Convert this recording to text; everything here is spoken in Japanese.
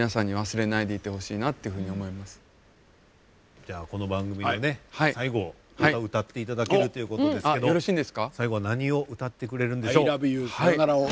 じゃあこの番組のね最後を歌歌っていただけるということですけど最後は何を歌ってくれるんでしょう？